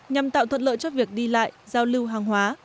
nhằm tạo thuận lợi cho việc đi lại giao lưu hàng hóa